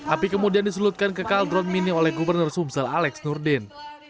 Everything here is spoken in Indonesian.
api kemudian diselutkan ke kaldron mini oleh gubernur sumsel alex nurdin